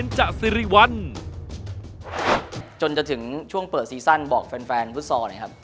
จนจะถึงช่วงเปิดซีซั่นบอกแฟนฟุตซอร์เนี่ยครับ